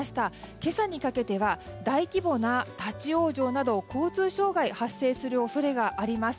今朝にかけては大規模な立ち往生など交通障害が発生する恐れがあります。